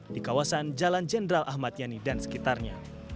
di kawasan jalan jenderal ahmad yani dan sekitarnya